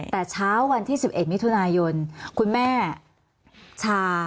แต่เช้าวันที่๑๑มิถุนายนคุณแม่ชา